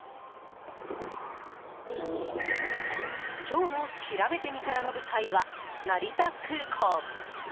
今日のしらべてみたらの舞台は成田空港。